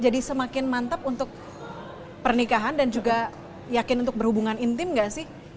jadi semakin mantap untuk pernikahan dan juga yakin untuk berhubungan intim gak sih